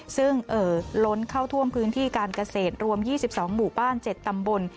ซึ่งล้นเข้าท่วมพื้นที่การเกษตรรวม๒๒หมู่บ้าน๗ตำบล